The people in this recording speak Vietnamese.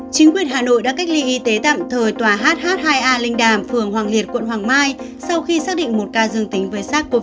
chính quyền hà nội đã cách ly y tế tạm thời tòa hh hai a linh đàm phường hoàng liệt quận hoàng mai sau khi xác định một ca dương tính với sars cov hai